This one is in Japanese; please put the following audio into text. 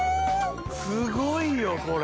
すごいよこれ